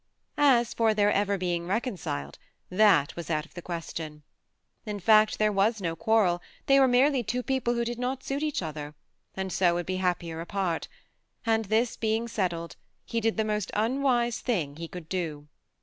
As for their ever being reconciled, that was out of the question ; in fact, there was no quarrel ; they were merely two people who did not suit each other, and so would be happier apart ; and this being settled, he did the most unwise thing he could do.